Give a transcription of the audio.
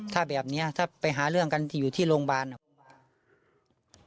ถ้าแบบนี้ถ้าไปหาเรื่องกันอยู่ที่โรงพยาบาลอ่ะ